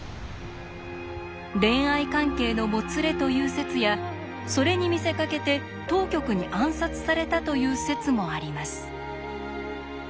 恋愛関係のもつれという説やそれに見せかけて当局に暗殺されたという説もあります。